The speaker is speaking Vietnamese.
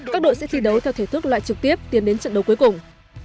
các đội sẽ thi đấu theo thể thức loại trực tiếp tiến đến trận đấu cuối cùng